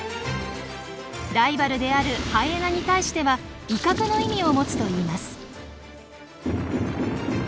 ライバルであるハイエナに対しては威嚇の意味を持つといいます。